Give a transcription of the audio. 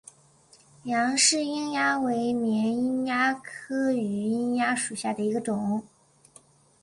杨氏瘿蚜为绵瘿蚜科榆瘿蚜属下的一个种。